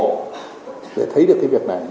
để thấy được cái việc này